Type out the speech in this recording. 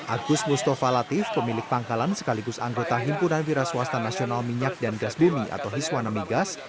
agus mustafa latif pemilik pangkalan sekaligus anggota himpunan wira swasta nasional minyak dan gas bumi atau hiswana migas